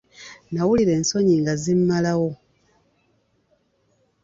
Nnawulira ensonyi nga zimmalawo.